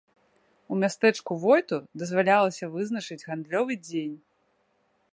У мястэчку войту дазвалялася вызначаць гандлёвы дзень.